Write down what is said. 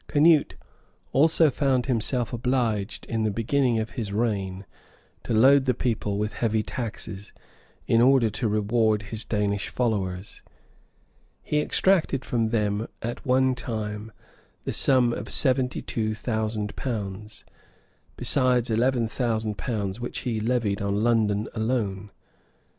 Canute also found himself obliged, in the beginning of his reign, to load the people with heavy taxes, in order to reward his Danish followers: he exacted from them at one time the sum of seventy two thousand pounds; besides eleven thousand pounds which he levied on London alone.